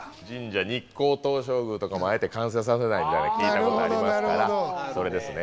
日光東照宮とかもあえて完成させないみたいな聞いたことありますからそれですね。